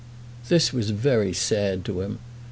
This was very sad to him.